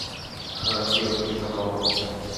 না, কি অসুবিধা, কমাও।